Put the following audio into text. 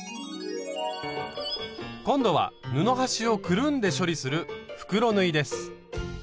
今度は布端をくるんで処理する袋縫いです。